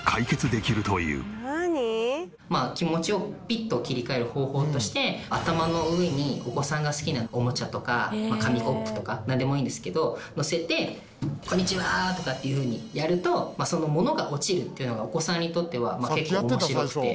まあ気持ちをピッと切り替える方法として頭の上にお子さんが好きなおもちゃとか紙コップとかなんでもいいんですけどのせて「こんにちは！」とかっていうふうにやると物が落ちるというのがお子さんにとってはまあ結構面白くて。